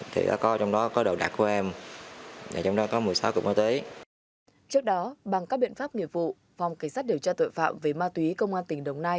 trước đó bằng các biện pháp nghiệp vụ phòng cảnh sát điều tra tội phạm về ma túy công an tỉnh đồng nai